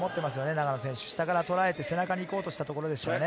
永野選手、下から捉えて背中に行こうとしたところでしょうね。